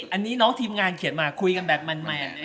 อันนี้น้องทีมงานเขียนมาคุยกันแบบแมน